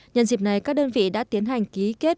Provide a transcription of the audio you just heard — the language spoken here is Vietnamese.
nhân dịp này các đơn vị đã tiến hành ký kết